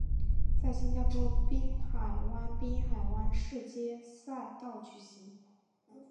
在新加坡滨海湾滨海湾市街赛道举行。